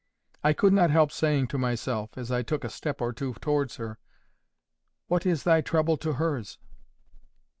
I could not help saying to myself, as I took a step or two towards her, "What is thy trouble to hers!"